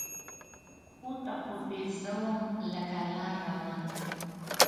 پښو ته خو دې زه وم لکه لار روان